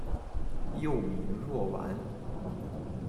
幼名若丸。